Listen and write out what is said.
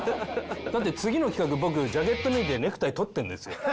だって次の企画僕ジャケット脱いでネクタイ取ってるんですよ。